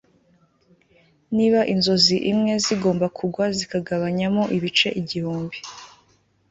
niba inzozi imwe zigomba kugwa zikagabanyamo ibice igihumbi